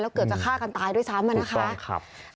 แล้วเกิดจะฆ่ากันตายด้วยซ้ำมันนะคะถูกต้องครับ